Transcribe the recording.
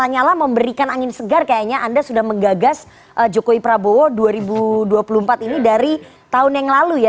lanyala memberikan angin segar kayaknya anda sudah menggagas jokowi prabowo dua ribu dua puluh empat ini dari tahun yang lalu ya